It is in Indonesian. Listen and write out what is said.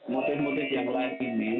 motif motif yang lain ini